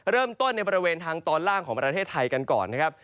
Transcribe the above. เริ่มต้นในบริเวณทางตอนล่างของประเทศไทยกันก่อนนะครับ